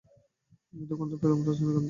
মৃদুগন্ধ পেলুম রজনীগন্ধার।